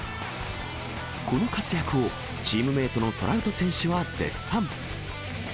この活躍を、チームメートのトラウト選手は絶賛。